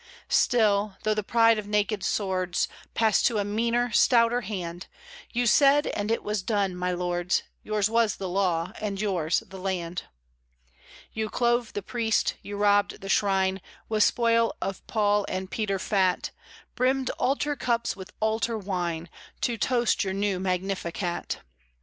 Still, though the pride of naked swords Passed to a meaner, stouter hand, You said, and it was done, my lords, Yours was the law, and yours the land. You clove the priest, you robbed the shrine, With spoil of Paul and Peter fat, Brimmed altar cups with altar wine To toast your new Magnificat.